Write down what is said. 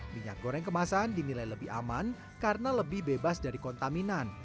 minyak goreng kemasan dinilai lebih aman karena lebih bebas dari kontaminan